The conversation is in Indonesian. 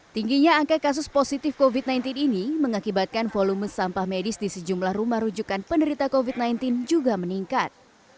tingginya angka kasus positif covid sembilan belas ini mengakibatkan volume sampah medis di sejumlah rumah rujukan penderita covid sembilan belas juga meningkat